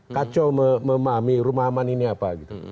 kacau memahami rumah aman ini apa gitu